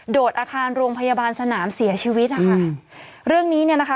ดอาคารโรงพยาบาลสนามเสียชีวิตนะคะเรื่องนี้เนี่ยนะคะ